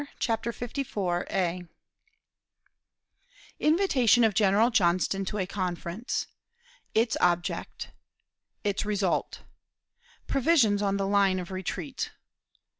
] CHAPTER LIV Invitation of General Johnston to a Conference. Its Object. Its Result. Provisions on the Line of Retreat.